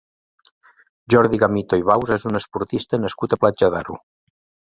Jordi Gamito i Baus és un esportista nascut a Platja d'Aro.